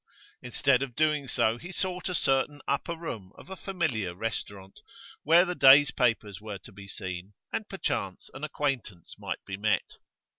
Instead of doing so, he sought a certain upper room of a familiar restaurant, where the day's papers were to be seen, and perchance an acquaintance might be met.